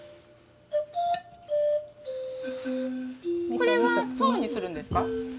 これは層にするんですか？